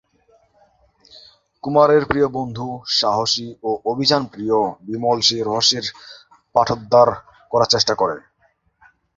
কুমারের প্রিয় বন্ধু, সাহসী ও অভিযান প্রিয় বিমল সেই রহস্যের পাঠোদ্ধার করার চেষ্টা করে।